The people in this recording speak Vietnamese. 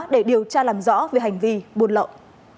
để điều tra làm rõ về hành vi buôn lậu